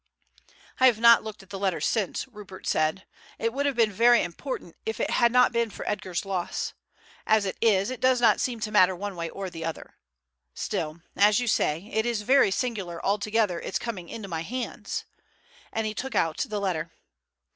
"I have not looked at the letter since," Rupert said. "It would have been very important if it had not been for Edgar's loss. As it is, it does not seem to matter one way or the other. Still, as you say, it is very singular altogether its coming into my hands;" and he took out the letter.